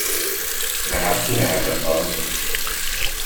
De hát ki lehetett az?